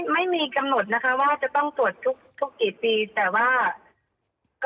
ไม่มีกำหนดว่าจะต้องตรวจทุกกี่ปีแต่ว่า